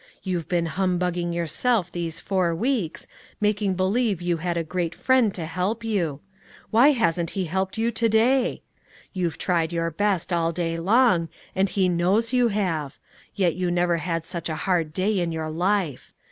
You've been humbugging yourself these four weeks, making believe you had a great Friend to help you: why hasn't He helped you to day? You've tried your best all day long, and He knows you have; yet you never had such a hard day in your life.